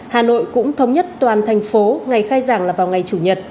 hà nội cũng thống nhất toàn thành phố ngày khai giảng là vào ngày chủ nhật